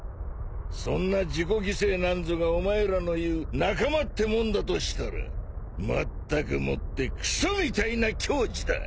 そんな自己犠牲なんぞがお前らの言う仲間ってもんだとしたらまったくもってクソみたいな矜持だ！